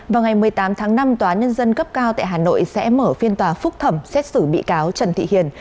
vào ngày một mươi tám tháng năm tòa nhân dân cấp cao tại hà nội sẽ mở phiên tòa phúc thẩm xét xử bị cáo trần thị hiền